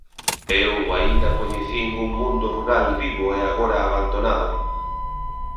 Eu aínda coñecín un mundo rural vivo e agora abandonado.